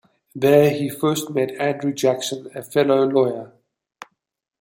There, he first met Andrew Jackson, a fellow lawyer.